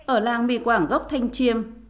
ở làng mì quảng gốc thanh chiêm